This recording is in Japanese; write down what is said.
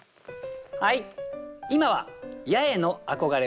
はい！